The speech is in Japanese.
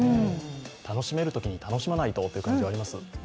楽しめるときに楽しまないとという感じはあります。